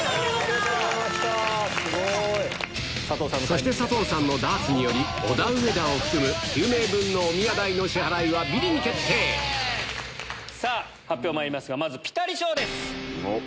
そして佐藤さんのダーツによりオダウエダを含む９名分のさぁ発表まいりますがまずピタリ賞です。